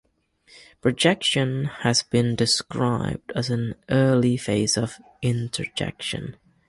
Projection has been described as an early phase of introjection.